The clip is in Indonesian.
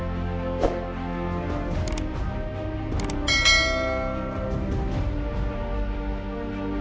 nggak ada yang nunggu